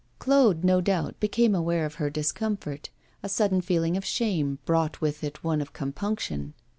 Claude, no doubt, became aware of her discomfort. A sudden feeling of shame brought with it one of compunction.